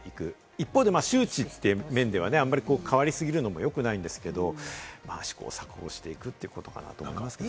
一方で周知という面ではあまり変わり過ぎるのもよくないんですけれども、試行錯誤していくということかと思いますね。